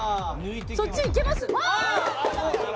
そっちいけます？